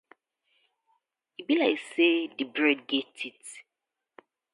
E bi like say di bread get teeth.